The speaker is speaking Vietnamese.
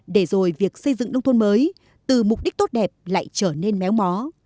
để rồi việc xây dựng nông thôn mới từ mục đích tốt đẹp lại trở nên méo mó